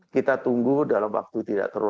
kita tunggu dalam waktu tidak terlalu